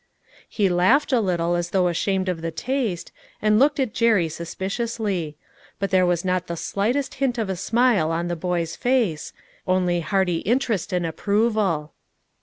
He laughed a little, as though ashamed of the taste, and looked at Jerry suspiciously. But there was not the slightest hint of a smile on the boy's face, only hearty in terest and approval.